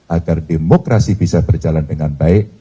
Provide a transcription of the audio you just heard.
agar demokrasi bisa berjalan dengan baik